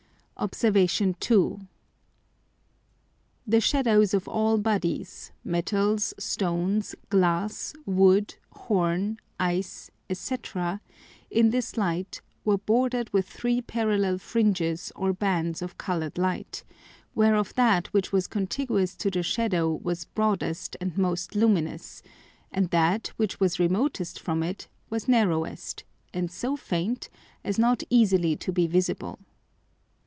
Obs. 2. The Shadows of all Bodies (Metals, Stones, Glass, Wood, Horn, Ice, &c.) in this Light were border'd with three Parallel Fringes or Bands of colour'd Light, whereof that which was contiguous to the Shadow was broadest and most luminous, and that which was remotest from it was narrowest, and so faint, as not easily to be visible.